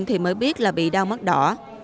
thì mới biết là bị đau mắt đỏ